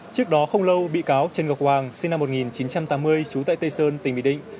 trước đó không lâu bị cáo trần ngọc hoàng sinh năm một nghìn chín trăm tám mươi trú tại tây sơn tỉnh bình định